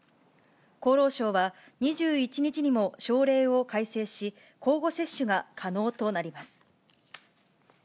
厚労省は２１日にも省令を改正し、交互接種が可能となります。